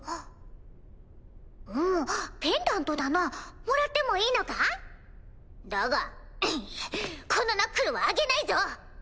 ペンダントだなもらってもいいのだがこのナックルはあげないぞ！